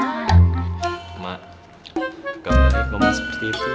ma gak baik ngomong seperti itu